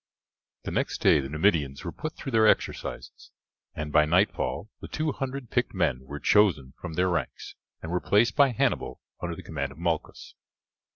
The next day the Numidians were put through their exercises, and by nightfall the two hundred picked men were chosen from their ranks and were placed by Hannibal under the command of Malchus.